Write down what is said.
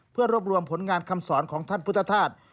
เพื่อรวบรวมผลงานคำสอนของท่านพุทธธาตุ